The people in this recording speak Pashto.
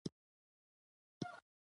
اوس مې مټې سپکې شوې.